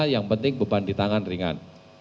yang penting beban di tangan ringan